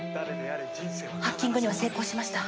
ハッキングには成功しました。